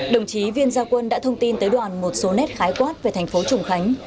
đồng chí viên gia quân đã thông tin tới đoàn một số nét khái quát về thành phố trùng khánh